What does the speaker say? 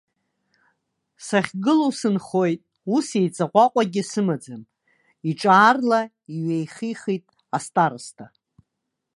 Сахьгылоу сынхоит, ус еиҵаҟәаҟәагьы сымаӡам, иҿы аарла иҩеихихит астароста.